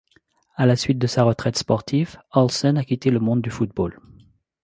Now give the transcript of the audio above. À la suite de sa retraite sportive, Olsen a quitté le monde du football.